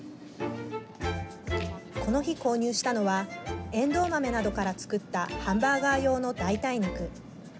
この日、購入したのはエンドウ豆などから作ったハンバーガー用の代替肉。